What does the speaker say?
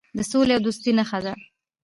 د سولې او دوستۍ نښه ده.